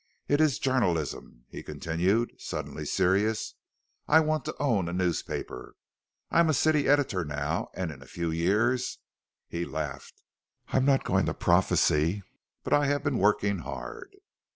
"It is journalism," he continued, suddenly serious; "I want to own a newspaper. I am city editor now and in a few years " He laughed. "I am not going to prophesy, but I have been working hard."